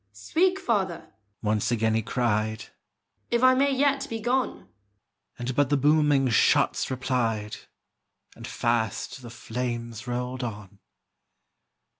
"Speak, father!" once again he cried, "If I may yet be gone!" And but the booming shots replied, And fast the flames rolled on.